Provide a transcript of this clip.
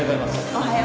おはよう。